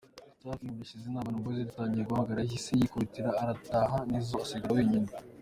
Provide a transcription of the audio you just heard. Safi yumvise izina ‘Urban Boyz’ ritangiye guhamagarwa yahise yikubura arataha Nizzo asigara wenyine.